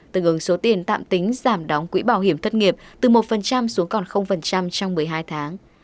tương ứng số tiền tạm tính giảm đóng quỹ bảo hiểm thất nghiệp từ một xuống còn trong một mươi hai tháng